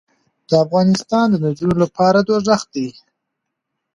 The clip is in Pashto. دافغانستان د نجونو لپاره دوزخ دې